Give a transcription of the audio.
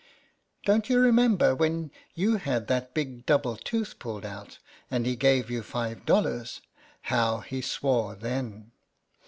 Don't you re member when you had that big double tooth pulled out, and he gave you five dollars, how he swore then